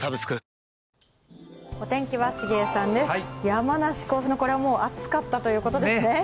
山梨・甲府の、これはもう、暑かったということですね。